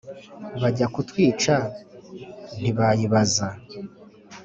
Bajya kutwica ntibayibaza !